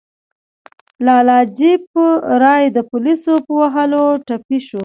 لالا لاجپت رای د پولیسو په وهلو ټپي شو.